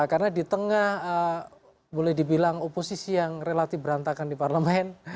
karena di tengah boleh dibilang oposisi yang relatif berantakan di parlemen